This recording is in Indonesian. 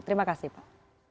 terima kasih pak